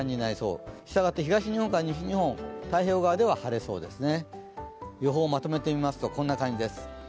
したがって東日本から西日本、太平洋側では晴れそうですね。